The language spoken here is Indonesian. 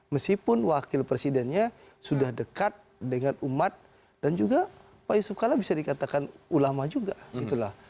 meskipun wakil presidennya sudah dekat dengan umat dan juga pak yusuf kalla bisa dikatakan ulama juga gitu lah